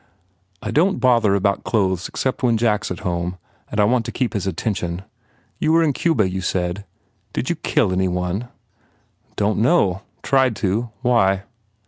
1 * "I don t bother about clothes except when Jack s at home and I want to keep his attention. ... You were in Cuba, you said? Did you kill any one?" "Don t know. Tried to. Why?"